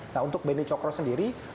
nah untuk benny cokro sendiri